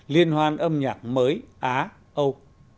liên hoan âm nhạc mới á âu